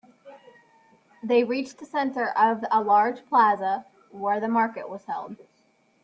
They reached the center of a large plaza where the market was held.